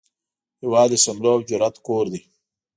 هیواد د شملو او جرئت کور دی